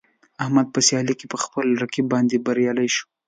احمد په سیالۍ کې په خپل رقیب باندې برلاسی شو.